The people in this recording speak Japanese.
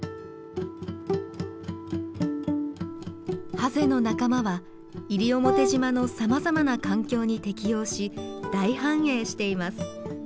ハゼの仲間は西表島のさまざまな環境に適応し大繁栄しています。